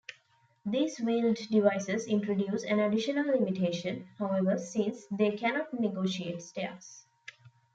These wheeled devices introduce an additional limitation, however, since they cannot negotiate stairs.